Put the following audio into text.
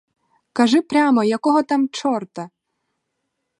Кажи прямо, якого там чорта!